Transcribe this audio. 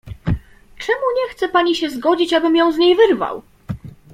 "Czemu nie chce pani się zgodzić, abym ją z niej wyrwał?"